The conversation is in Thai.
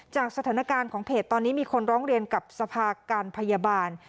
จากสถานการณ์ของเพจตอนนี้มีคนร้องเรียนกับสภาการพยาบาล